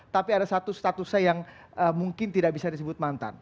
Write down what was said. tapi ada satu statusnya yang mungkin tidak bisa disebut mantan